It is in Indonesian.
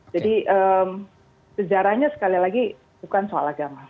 jadi sejarahnya sekali lagi bukan soal agama